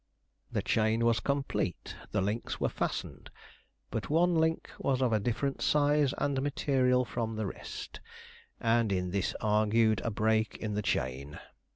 The chain was complete; the links were fastened; but one link was of a different size and material from the rest; and in this argued a break in the chain.